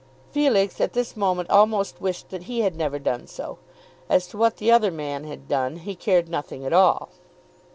Felix at this moment almost wished that he had never done so. As to what the other man had done, he cared nothing at all.